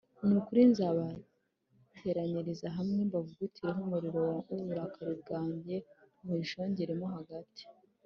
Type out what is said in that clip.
Ni ukuri nzabateraniriza hamwe, mbavugutireho umuriro w’uburakari bwanjye muyishongeremo hagati